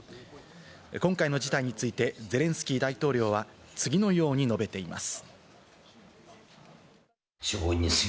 今回の事態についてゼレンスキー大統領は、次のように述べています。